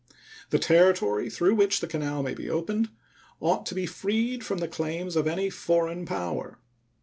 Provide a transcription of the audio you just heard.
The territory through which the canal may be opened ought to be freed from the claims of any foreign power.